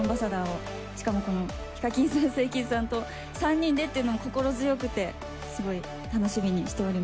しかもこのＨＩＫＡＫＩＮさんＳＥＩＫＩＮさんと３人でっていうのも心強くてすごい楽しみにしております。